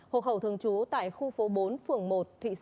hộ khẩu thường trú tại khu phố bốn phường một tp hải phòng